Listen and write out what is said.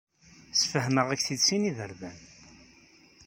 Sfehmeɣ-ak-t-id sin iberdan.